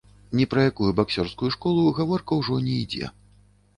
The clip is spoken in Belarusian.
Ні пра якую баксёрскую школу гаворка ўжо не ідзе.